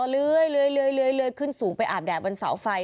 เลื่อยขึ้นสูงไปอาบแดดบนเสาไฟ